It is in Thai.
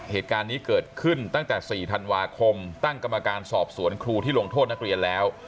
เหตุการณ์นี้เกิดขึ้นตั้งแต่๔ธันวาคมตั้งกรรมการสอบสวนครูที่ลงโทษนักเรียนแล้ว